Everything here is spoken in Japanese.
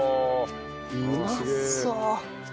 うまそう！